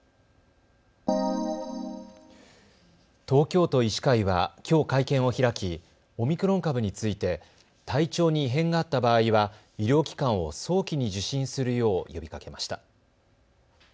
東京都医師会はきょう会見を開きオミクロン株について体調に異変があった場合は医療機関を早期に受診するよう呼びかけました。